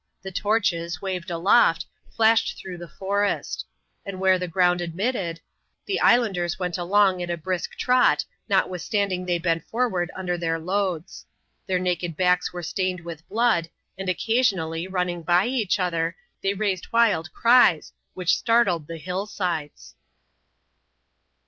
The torches, waved aloft, flashed through the forest ; and, where the ground admitted, the islanders went along on a brisk trot, notwithstanding they bent forward under their loads. Their naked backs were sttuned with blood ; and occasionally, running by each other, they raised wild cries> which startled the hillsides.